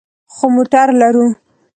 خو موټر لرو